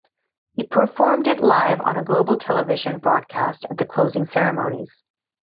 He performed it live on a global television broadcast at the closing ceremonies.